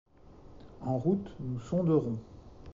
En route, nous sonderons.